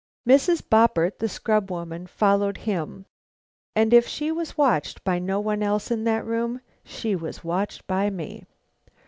Mrs. Boppert, the scrub woman, followed him; and if she was watched by no one else in that room, she was watched by me.